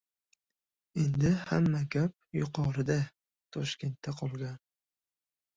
Endi hamma gap «yuqorida» — Toshkentda qolgan...